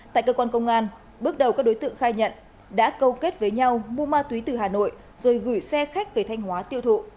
tại cơ quan công an bước đầu các đối tượng khai nhận đã câu kết với nhau mua ma túy từ hà nội rồi gửi xe khách về thanh hóa tiêu thụ